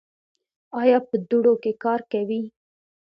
ایا په دوړو کې کار کوئ؟